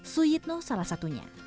su yitno salah satunya